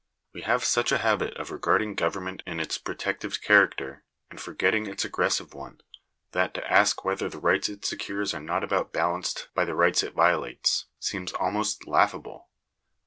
We have such a habit of regarding government in its protective character, and forgetting its aggressive one, that to ask whether the rights it secures are not about balanced by the rights it violates, seems almost laughable.